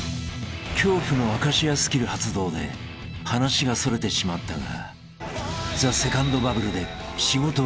［恐怖の明石家スキル発動で話がそれてしまったが］